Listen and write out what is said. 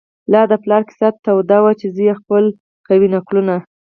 لا د پلار کیسه توده وي چي زوی خپل کوي نکلونه